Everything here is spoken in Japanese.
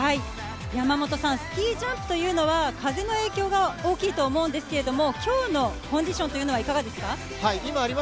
山本さん、スキージャンプというのは風の影響が大きいと思うんですけれども、今日のコンディションはいかがですか？